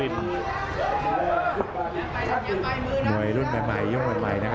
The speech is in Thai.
อัศวินาศาสตร์